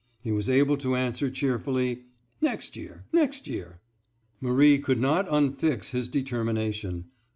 he was able to answer cheerfully, "Next year—next year." Marie could not unfix his determination.